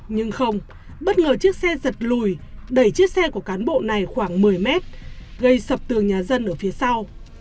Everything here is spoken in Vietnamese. nhưng không bất ngờ chiếc xe giật lùi đẩy chiếc xe của cán bộ này khoảng một mươi mét gây sập tường nhà dân ở phía sau